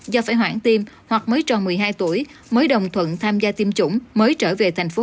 do phải hoãn tiêm hoặc mới tròn một mươi hai tuổi mới đồng thuận tham gia tiêm chủng mới trở về thành phố